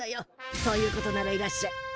そういうことならいらっしゃい。